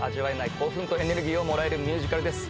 興奮とエネルギーをもらえるミュージカルです